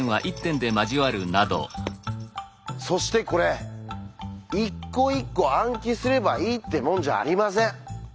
そしてこれ一個一個暗記すればいいってもんじゃありません。